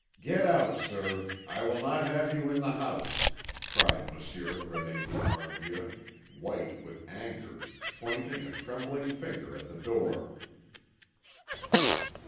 "Get out, sir, I will not have you in the house!" cried Monsieur René d'Esparvieu, white with anger, pointing a trembling finger at the door.